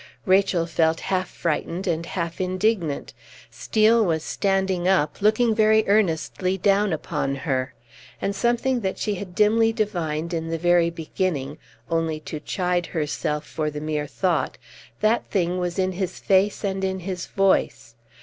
Rachel felt half frightened and half indignant. Steel was standing up, looking very earnestly down upon her. And something that she had dimly divined in the very beginning only to chide herself for the mere thought that thing was in his face and in his voice.